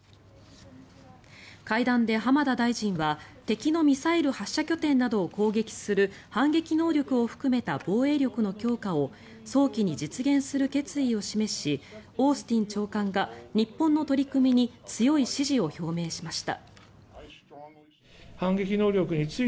会談で浜田大臣は敵のミサイル発射拠点などを攻撃する反撃能力を含めた防衛力の強化を早期に実現する決意を示しオースティン長官が日本の取り組みに強い支持を表明しました。